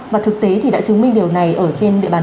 và thực tế thì đã chứng minh điều này ở trên địa bàn